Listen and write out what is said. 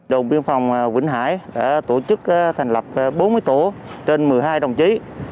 đồng biên phòng vĩnh hải đã tổ chức thành lập bốn mươi tổ trên một mươi hai đồng chí